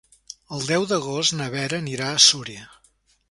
El deu d'agost na Vera anirà a Súria.